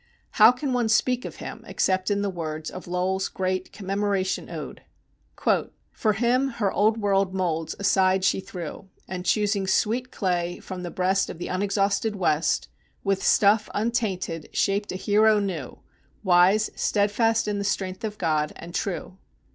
How can one speak of him except in the words of Lowell's great "Commemoration Ode": "For him her Old World moulds aside she threw, And, choosing sweet clay from the breast Of the unexhausted West, With stuff untainted shaped a hero new, Wise, steadfast in the strength of God, and true.